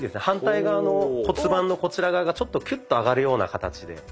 反対側の骨盤のこちら側がちょっとキュッと上がるような形で。